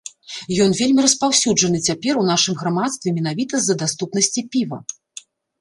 Ён вельмі распаўсюджаны цяпер у нашым грамадстве менавіта з-за даступнасці піва.